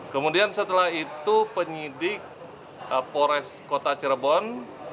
kemudian setelah itu penyidik polres kota cirebon